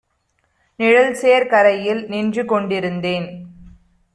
நிழல்சேர் கரையில் நின்றுகொண் டிருந்தேன்